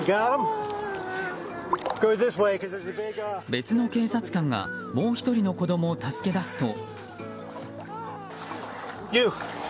別の警察官がもう１人の子供を助け出すと。